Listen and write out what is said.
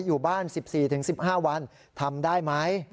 อยู่บ้าน๑๔๑๕วันทำได้ไหม